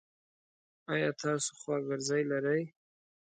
ایا تاسو خواګرځی لری؟